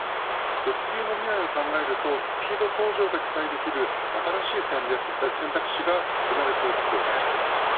物流の未来を考えるとスピード向上が期待できる新しい選択肢が生まれそうですよね。